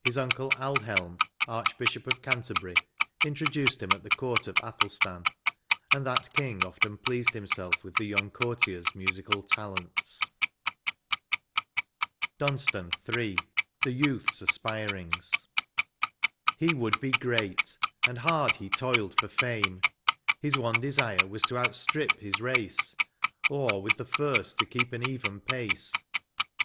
His uncle Aldhelm, Archbishop of Canterbury, introduced him at the court of Athelstan, and that King often pleased himself with the young courtier's musical talents. 136 LXVII. DUNSTAN. — III. THE YOUTH's ASPIRINGS. He would be great, and hard he toiled for fame : His one desire was to outstrip his race. Or with the first to keep an even pace.